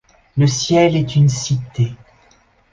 Le ciel est une cité